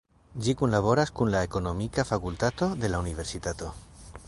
Ĝi kunlaboras kun la ekonomika fakultato de la universitato.